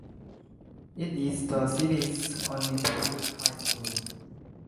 It is the city's only public high school.